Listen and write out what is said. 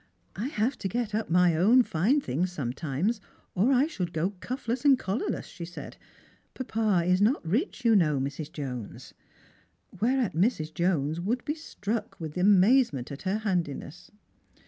" I have to get up my own fine things sometimes, or I should fo cuffless and collarless," she said. "Papa is not rich, you uow, Mrs. Jones." Whereat Mrs. Jones would be struck with amazement by her haiidiness.